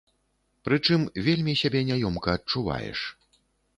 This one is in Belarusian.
Прычым, вельмі сябе няёмка адчуваеш.